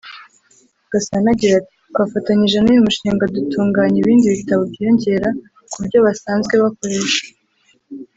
Gasana agira ati “Twafatanyije n’uyu mushinga dutunganya ibindi bitabo byiyongera ku byo basanzwe bakoresha